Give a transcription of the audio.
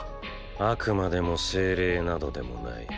悪魔でも精霊などでもない。